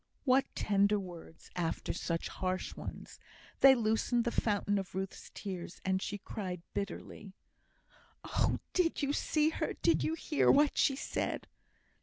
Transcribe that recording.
What tender words after such harsh ones! They loosened the fountain of Ruth's tears, and she cried bitterly. "Oh! did you see her did you hear what she said?"